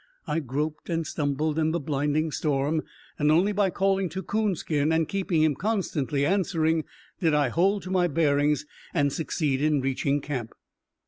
I groped and stumbled in the blinding storm, and only by calling to Coonskin and keeping him constantly answering did I hold to my bearings and succeed in reaching camp.